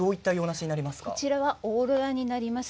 こちらはオーロラになります。